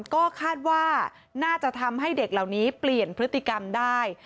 ก็คาดว่าน่าจะทำให้เด็กเหล่านี้เปลี่ยนพฤติกรรมได้